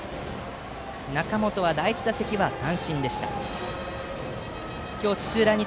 中本は第１打席、三振でした。